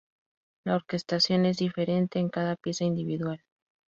La orquestación es diferente en cada pieza individual.